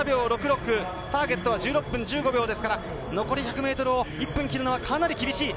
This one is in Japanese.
ターゲットは１６分１５秒ですから残り１００ｍを１分切るのはかなり厳しい。